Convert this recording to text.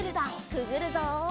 くぐるぞ。